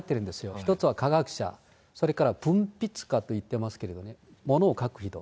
１つは科学者、それから文筆家といってますけど、ものを書く人。